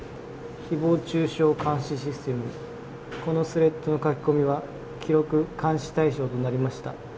誹謗中傷監視システム、このスレッドの書き込みは記録、監視対象となりました。